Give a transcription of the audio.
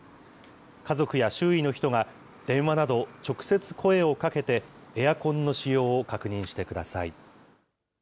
家族や周囲の人が電話など、直接声をかけて、エアコンの使用を確認してください。